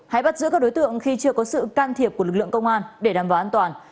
hãy bắt giữ các đối tượng khi chưa có sự can thiệp của lực lượng công an